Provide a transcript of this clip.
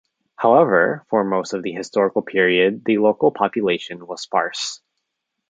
However, for most of the historical period the local population was sparse.